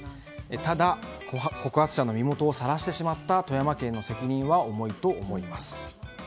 ただ、告発者の身元をさらしてしまった富山県の責任は重いと思います。